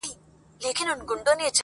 د وجود ساز ته یې رگونه له شرابو جوړ کړل~